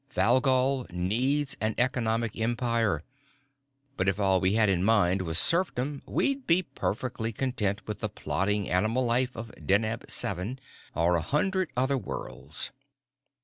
Valgol needs an economic empire, but if all we had in mind was serfdom we'd be perfectly content with the plodding animal life of Deneb VII or a hundred other worlds.